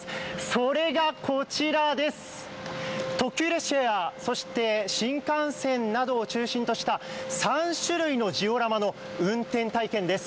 それがこちらです、特急列車や、そして新幹線などを中心とした３種類のジオラマの運転体験です。